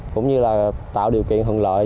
cũng như là tạo điều kiện hợn lợi